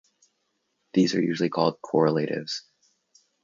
These are usually called "correlatives".